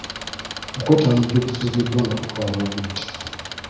Okwetaba mu by'obufuzi by'eggwanga kutwala obudde.